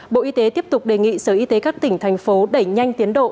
bộ y tế tiếp tục đề nghị sở y tế các tỉnh thành phố đẩy nhanh tiến độ